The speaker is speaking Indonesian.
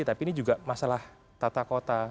tapi ini juga masalah tata kota